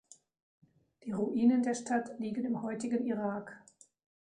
Die Ruinen der Stadt liegen im heutigen Irak.